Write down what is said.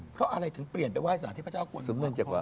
เพราะอะไรถึงเปลี่ยนไปไหว้ศาลเทพเจ้ากวนอู่